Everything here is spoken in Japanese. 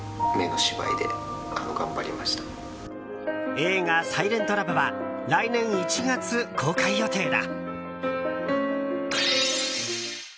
映画「サイレントラブ」は来年１月公開予定だ。